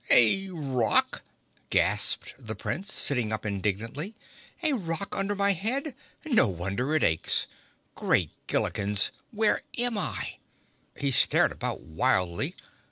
"A rock!" gasped the Prince, sitting up indignantly. "A rock under my head! No wonder it aches! Great Gillikens! Where am I?" He stared about wildly.